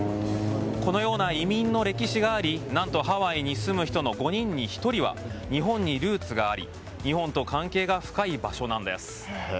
このような移民の歴史があり何とハワイに住む人の５人に１人は日本にルーツがあり日本と関係が深い場所なんです。